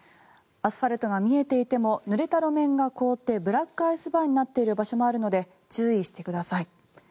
アスファルトが見えていてもぬれた路面が凍ってブラックアイスバーンになっている場所もあるので注意してください。